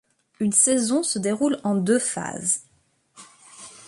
Une saison se déroule en deux phases.